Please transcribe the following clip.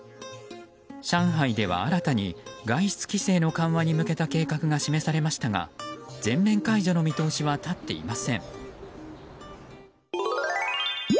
上海では新たに外出規制の緩和に向けた計画が示されましたが全面解除の見通しは立っていません。